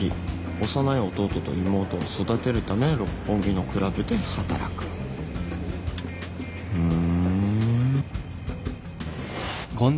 「幼い弟と妹を育てるため六本木のクラブで働く」ふん。